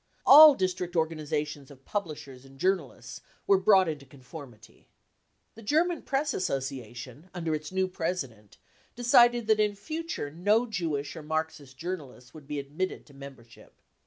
All district organisations of publishers and journalists were " brought into conformity . 95 The German Press Association under its new president decided that in future no Jewish or Marxist journalists would be admitted to membership.